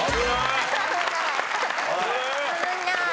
危ない。